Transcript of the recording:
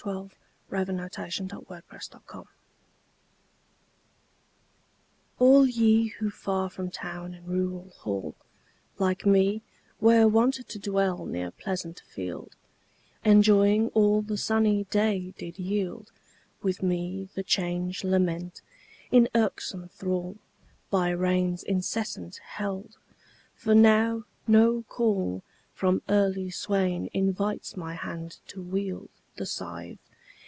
O P . Q R . S T . U V . W X . Y Z Sonnet on a Wet Summer ALL ye who far from town in rural hall, Like me, were wont to dwell near pleasant field, Enjoying all the sunny day did yield, With me the change lament, in irksome thrall, By rains incessant held; for now no call From early swain invites my hand to wield The scythe.